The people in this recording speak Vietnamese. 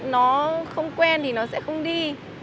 nó không quen thì nó sẽ không đi